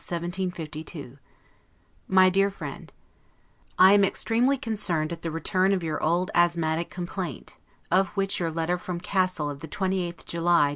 1752 MY DEAR FRIEND: I am extremely concerned at the return of your old asthmatic complaint, of which your letter from Cassel of the 28th July, N.